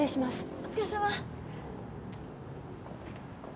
お疲れさま。